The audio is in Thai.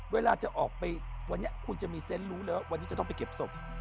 เวลาจะออกไปวันนี้คุณจะมีเซนต์รู้เลยว่าวันนี้จะต้องไปเก็บศพ